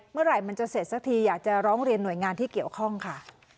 เมื่อไหร่มันจะเสร็จสักทีอยากจะร้องเรียนหน่วยงานที่เกี่ยวข้องค่ะ